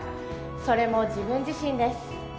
それも自分自身です